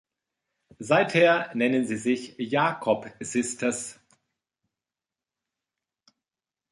Seither nennen sie sich "Jacob Sisters".